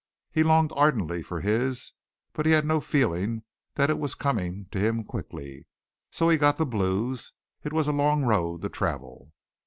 He longed ardently for his but he had no feeling that it was coming to him quickly, so he got the blues. It was a long road to travel.